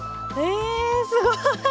えすごい！